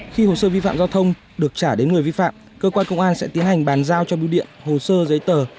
khi hồ sơ vi phạm giao thông được trả đến người vi phạm cơ quan công an sẽ tiến hành bàn giao cho biêu điện hồ sơ giấy tờ